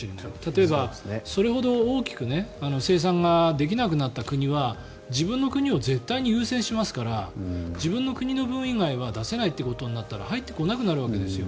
例えば、それほど大きく生産ができなくなった国は自分の国を絶対に優先しますから自分の国の分以外は出せないとなったら入ってこなくなるわけですよ。